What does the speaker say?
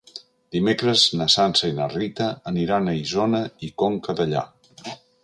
Dimecres na Sança i na Rita aniran a Isona i Conca Dellà.